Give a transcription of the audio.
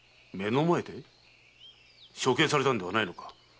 処刑されたのではないのか？